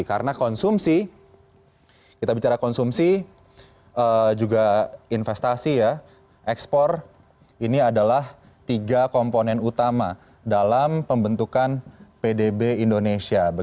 karena konsumsi kita bicara konsumsi juga investasi ekspor ini adalah tiga komponen utama dalam pembentukan pdb indonesia